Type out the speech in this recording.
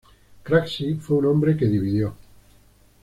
Craxi fue un hombre que dividió.